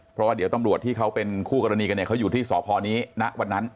เพราะว่าเดี๋ยวตำรวจที่เขาเป็นคู่กรณีกันเนี่ยเขาอยู่ที่สพนี้ณวันนั้น